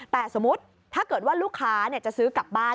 แต่สมมุติถ้าเกิดว่าลูกค้าจะซื้อกลับบ้าน